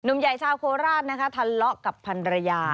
หนุ่มใหญ่ชาวโคราชทันเลาะกับพันรยา